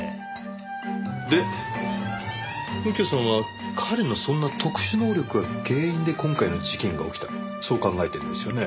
で右京さんは彼のそんな特殊能力が原因で今回の事件が起きたそう考えてるんですよね？